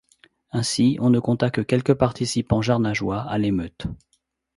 Ainsi on ne compta que quelques participants Jarnageois à l'émeute.